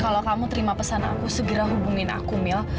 kalau kamu terima pesan aku segera hubungin aku mil